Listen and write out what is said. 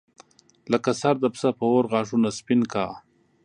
لکه سر د پسه په اور غاښونه سپین کا.